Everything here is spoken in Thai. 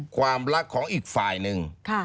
ความรักของอีกฝ่ายหนึ่ง